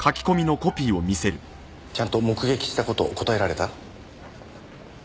ちゃんと目撃した事答えられた？